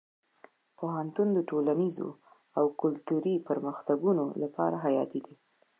پوهنتون د ټولنیزو او کلتوري پرمختګونو لپاره حیاتي دی.